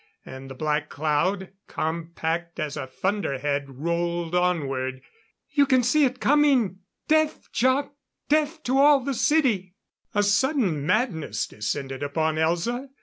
And the black cloud, compact as a thunder head, rolled onward. "You can see it coming! Death Jac! Death to all the City!" A sudden madness descended upon Elza.